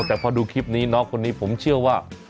แต่พอดูคลิปนี้น้องคนนี้ผมเชื่อว่า